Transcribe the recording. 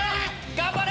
頑張れ！